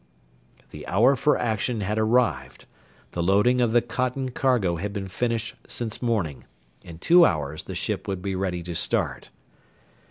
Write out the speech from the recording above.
The hour for action had arrived, the loading of the cotton cargo had been finished since morning; in two hours the ship would be ready to start.